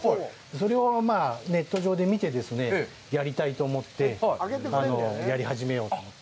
それをネット上で見てやりたいと思ってやり始めようと思って。